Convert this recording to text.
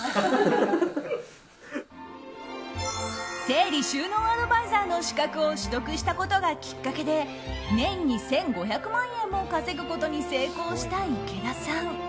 整理収納アドバイザーの資格を取得したことがきっかけで年に１５００万円も稼ぐことに成功した池田さん。